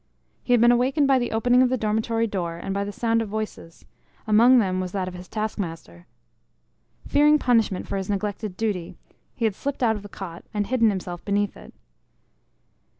He had been awakened by the opening of the dormitory door and by the sound of voices among them was that of his taskmaster. Fearing punishment for his neglected duty, he had slipped out of the cot, and hidden himself beneath it.